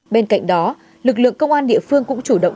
bên cạnh đó lực lượng công an địa phương cũng chủ động